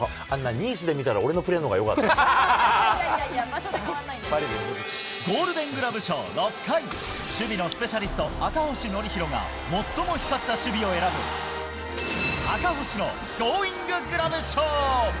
ニースで見たら俺のプレーのいやいやいや、場所で変わらゴールデングラブ賞６回、守備のスペシャリスト、赤星憲広が最も光った守備を選ぶ、赤星のゴーインググラブ賞。